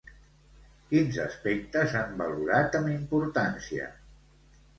Quins aspectes han valorat amb importància?